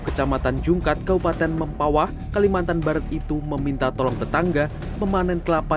kecamatan jungkat kabupaten mempawah kalimantan barat itu meminta tolong tetangga memanen kelapa